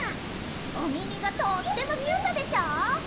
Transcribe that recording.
おみみがとってもキュートでしょ？